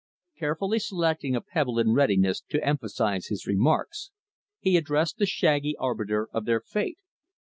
Carefully selecting a pebble in readiness to emphasize his remarks, he addressed the shaggy arbiter of their fate.